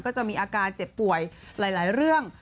จะมีอาการเจ็บป่วยหลายเรื่อง